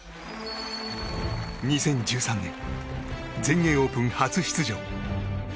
２０１３年全英オープン初出場。